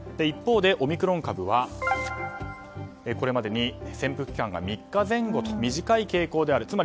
一方でオミクロン株はこれまでに潜伏期間が３日前後と短い傾向である。